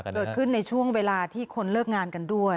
เกิดขึ้นในช่วงเวลาที่คนเลิกงานกันด้วย